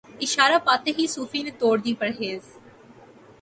اشارہ پاتے ہی صوفی نے توڑ دی پرہیز